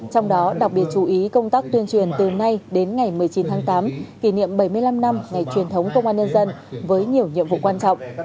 trong đó đặc biệt chú ý công tác tuyên truyền từ nay đến ngày một mươi chín tháng tám kỷ niệm bảy mươi năm năm ngày truyền thống công an nhân dân với nhiều nhiệm vụ quan trọng